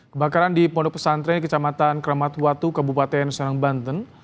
kebakaran di pondok pesantren di kecamatan kramat watu kabupaten serang banten